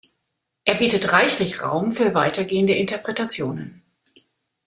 Er bietet reichlich Raum für weitergehende Interpretationen.